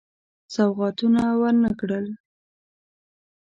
سوغاتونه ورنه کړل.